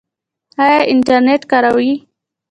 ایا انټرنیټ کاروئ؟